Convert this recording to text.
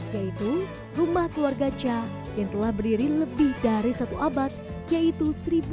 yaitu rumah keluarga cha yang telah berdiri lebih dari satu abad yaitu seribu sembilan ratus dua